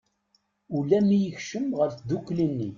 Ula mi yekcem ɣer tddukli-nni.